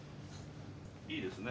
いいですね